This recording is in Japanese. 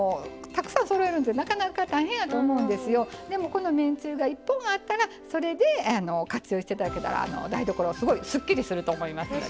このめんつゆが１本あったらそれで活用して頂けたら台所すごいすっきりすると思いますのでね。